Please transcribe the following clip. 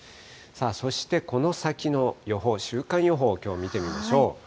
そして、この先の予報、週間予報をきょう見てみましょう。